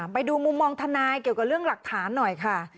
ไปดูมุมมองทนายเกี่ยวกับเรื่องหลักฐานหน่อยค่ะ